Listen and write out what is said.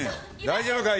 大丈夫か？